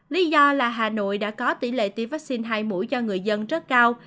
lý do là hà nội đã có tỷ lệ tiêm vaccine hai mũi cho người dân rất cao